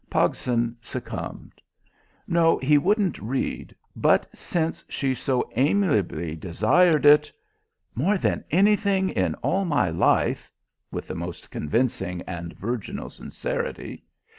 Pogson succumbed. No, he wouldn't read; but, since she so amiably desired it.... "More than anything in all my life!" with the most convincing and virginal sincerity.